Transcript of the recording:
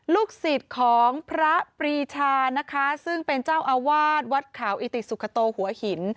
ลูกศิษย์ของพระปรีชานะคะซึ่งเป็นเจ้าอาวาสวัดขาวอิติสุขโตหัวหิน